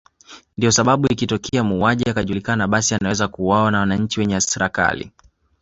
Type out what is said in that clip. Ndio sababu ikitokea muuaji akajulikana basi anaweza kuuwawa na wanachi wenye hasra kali